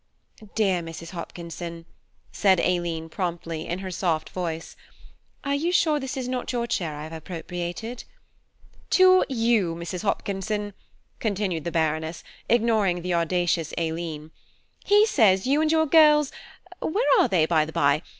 –" "Dear Mrs Hopkinson," said Aileen promptly, in her soft voice, "are you sure this is not your chair I have appropriated?" "To you, Mrs. Hopkinson," continued the Baroness, ignoring the audacious Aileen; "He says you and your girls–where are they, by the bye?